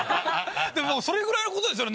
でもそれぐらいのことですよね